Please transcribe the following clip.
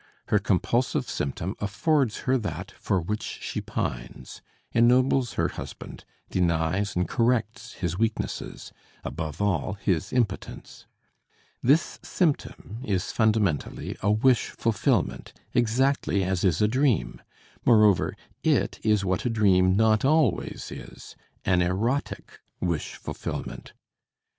Her compulsive symptom affords her that for which she pines, ennobles her husband, denies and corrects his weaknesses, above all, his impotence. This symptom is fundamentally a wish fulfillment, exactly as is a dream; moreover, it is what a dream not always is, an erotic wish fulfillment.